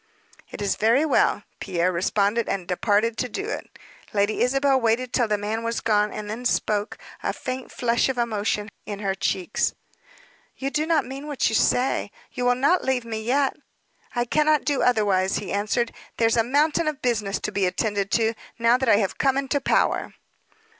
"It is very well," Pierre responded; and departed to do it. Lady Isabel waited till the man was gone, and then spoke, a faint flush of emotion in her cheeks. "You do not mean what you say? You will not leave me yet?" "I cannot do otherwise," he answered. "There's a mountain of business to be attended to, now that I am come into power."